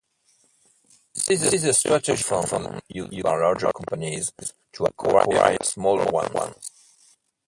This is a strategy often used by larger companies to acquire smaller ones.